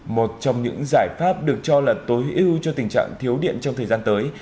một trong những giải pháp được cho là tối ưu cho tình trạng thiếu điện trong thời gian tới